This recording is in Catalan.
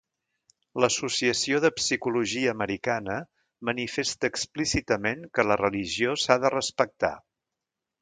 L'Associació de Psicologia Americana manifesta explícitament que la religió s'ha de respectar.